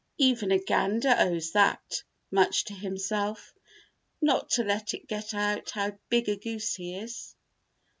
Even a gander owes that much to himself: not to let it get out how big a goose he is."